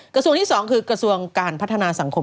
กระทรวงที่๒คือกระทรวงการพัฒนาสังคม